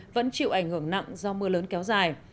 vẫn chịu ảnh hưởng nặng do mưa lớn kéo dài